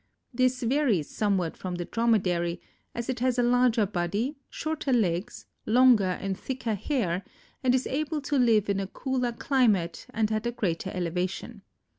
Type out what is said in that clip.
This varies somewhat from the Dromedary as it has a larger body, shorter legs, longer and thicker hair and is able to live in a cooler climate and at a greater elevation.